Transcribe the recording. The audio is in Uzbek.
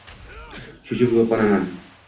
Cho’chib uyg’onaman